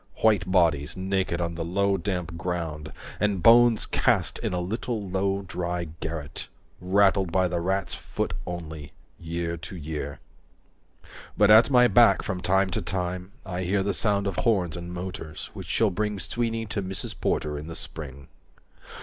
White bodies naked on the low damp ground And bones cast in a little low dry garret, Rattled by the rat's foot only, year to year. 195 But at my back from time to time I hear The sound of horns and motors, which shall bring Sweeney to Mrs. Porter in the spring.